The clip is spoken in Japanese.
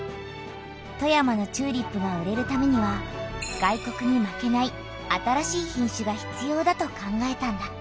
富山のチューリップが売れるためには外国に負けない新しい品種が必要だと考えたんだ。